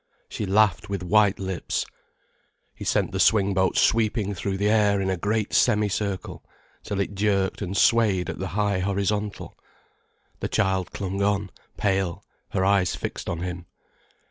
She laughed with white lips. He sent the swingboat sweeping through the air in a great semi circle, till it jerked and swayed at the high horizontal. The child clung on, pale, her eyes fixed on him.